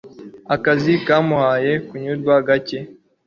Akazi kamuhaye kunyurwa gake